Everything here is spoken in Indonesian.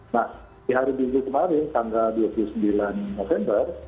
nah di hari minggu kemarin tanggal dua puluh sembilan november